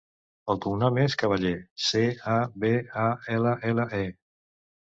El cognom és Caballe: ce, a, be, a, ela, ela, e.